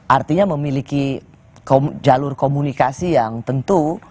artinya memiliki jalur komunikasi yang tentu